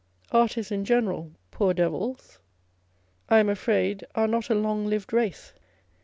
Artists in general, (poor devils!) I am afraid, are not a long lived race.